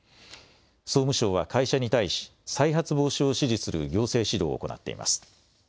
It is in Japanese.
総務省は会社に対し再発防止を指示する行政指導を行っています。